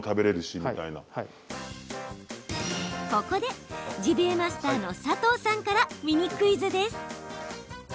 ここで、ジビエマスターの佐藤さんからミニクイズです。